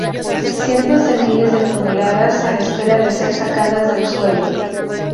Cientos de miles de toneladas, a la espera de ser sacadas del suelo.